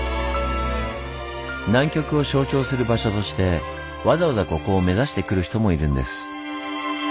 南極を象徴する場所としてわざわざここを目指してくる人もいるんです。